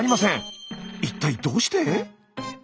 一体どうして？